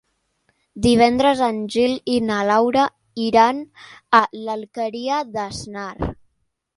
Divendres en Gil i na Laura iran a l'Alqueria d'Asnar.